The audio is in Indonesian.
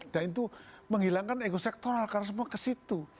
dan itu menghilangkan ego sektoral karena semua ke situ